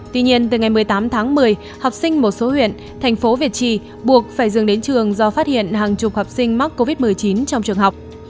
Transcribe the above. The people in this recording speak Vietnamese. tuy nhiên từ ngày một mươi tám tháng một mươi học sinh một số huyện thành phố việt trì buộc phải dừng đến trường do phát hiện hàng chục học sinh mắc covid một mươi chín trong trường học